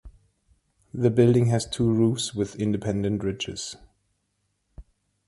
The building has two roofs with independent ridges.